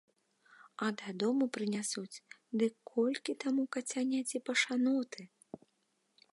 А дадому прынясуць, дык колькі таму кацяняці пашаноты!